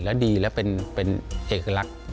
แล้วดีและเป็นเอกลักษณ์